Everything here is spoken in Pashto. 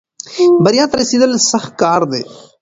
بریا ته رسېدل سخت کار دی.